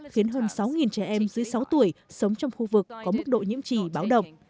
khiến hơn sáu trẻ em dưới sáu tuổi sống trong khu vực có mức độ nhiễm trì báo động